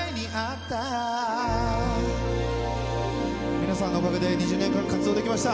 皆さんのおかげで２０年間、活動できました。